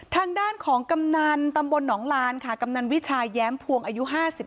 ทางด้านของกำนันตำบลหนองลานค่ะกำนันวิชายแย้มพวงอายุ๕๓